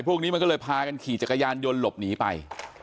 พวกนี้มันก็เลยพากันขี่จักรยานยนต์หลบหนีไป